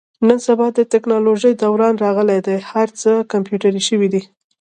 نن سبا د تکنالوژۍ دوران راغلی دی. هر څه کمپیوټري شوي دي.